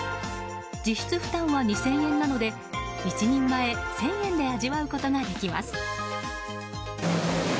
実施負担は２０００円なので１人前１０００円で味わうことができます。